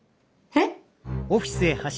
えっ！？